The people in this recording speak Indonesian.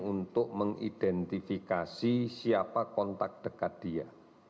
untuk mengidentifikasi siapa kontak dekat dia